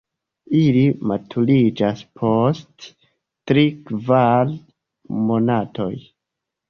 Ili maturiĝas post tri-kvar monatoj.